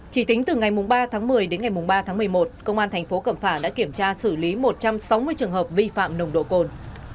chỉ tính từ ngày ba tháng một mươi đến ngày ba tháng một mươi một công an thành phố cẩm phả đã kiểm tra xử lý một trăm sáu mươi trường hợp vi phạm nồng độ cồn